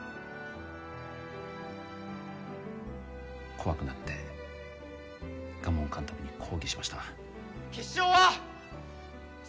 怖くなって賀門監督に抗議しました決勝は正々堂々と